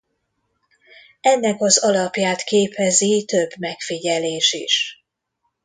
Ennek az alapját képezi több megfigyelés is.